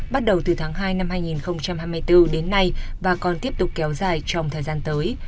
bắt đầu từ tháng hai năm hai nghìn hai mươi bốn đến nay và còn tiếp tục kéo dài trong thời gian tới